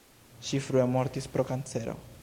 Ŝi frue mortis pro kancero.